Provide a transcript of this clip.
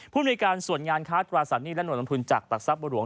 ผู้บริการส่วนงานค้าตราสัตว์หนี้และหน่วยลงทุนจากตักทรัพย์บลวง